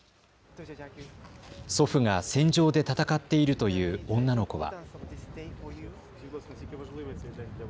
祖父が戦場で戦っているという女の子は。